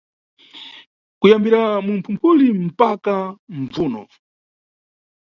Kuyambira mu Phumphuli mpaka Mbvuno.